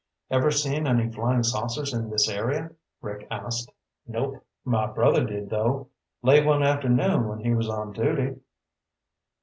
"Ever see any flying saucers in this area?" Rick asked. "Nope. My brother did though, late one afternoon when he was on duty."